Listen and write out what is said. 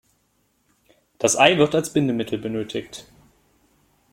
Das Ei wird als Bindemittel benötigt.